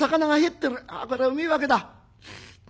あこりゃうめえわけだ。